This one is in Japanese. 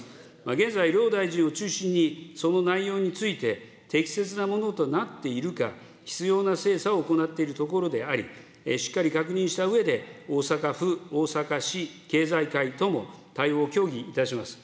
現在、両大臣を中心に、その内容について、適切なものとなっているか、必要な精査を行っているところであり、しっかり確認したうえで、大阪府、大阪市、経済界とも、対応を協議いたします。